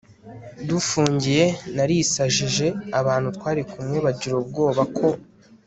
dufungiye narisajije abantu twari kumwe bagira ubwoba ko